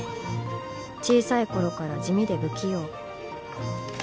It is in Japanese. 小さいころから地味で不器用。